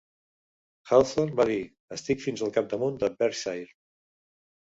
Hawthorne va dir "Estic fins al capdamunt d'en Berkshire..."